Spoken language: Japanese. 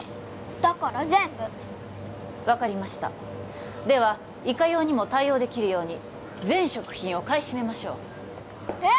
だから全部分かりましたではいかようにも対応できるように全食品を買い占めましょうえっ！？